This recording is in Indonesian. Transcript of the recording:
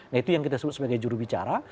nah itu yang kita sebut sebagai jurubicara